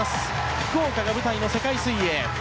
福岡が舞台の世界水泳。